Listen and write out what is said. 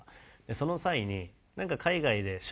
その際に。